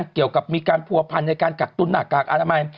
เกี่ยวกับมีการผัวพันในการกักตุ้นหน้ากากอนามัย